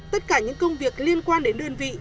tất cả những công việc liên quan đến đơn vị